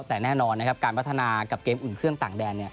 แต่แน่นอนนะครับการพัฒนากับเกมอุ่นเครื่องต่างแดน